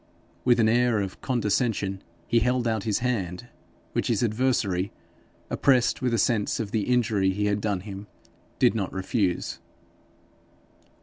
With an air of condescension he held out his hand, which his adversary, oppressed with a sense of the injury he had done him, did not refuse.